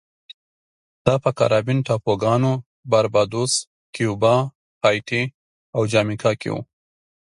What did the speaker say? دا په کارابین ټاپوګانو باربادوس، کیوبا، هایټي او جامیکا کې و